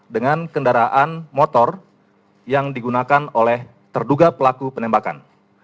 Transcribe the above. dengan kendaraan motor yang digunakan oleh terduga pelaku penembakan